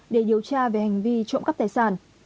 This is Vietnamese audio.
để điều tra về hành vi trộm cắp tài sản